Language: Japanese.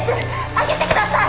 上げてください。